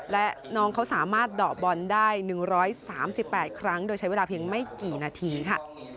และน้องเขาสามารถเดาะบอลได้๑๓๘ครั้งโดยใช้เวลาเพียงไม่กี่นาทีค่ะ